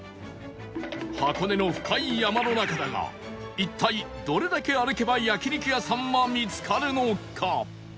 箱根の深い山の中だが一体どれだけ歩けば焼肉屋さんは見つかるのか？